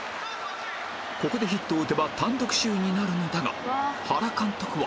ここでヒットを打てば単独首位になるのだが原監督は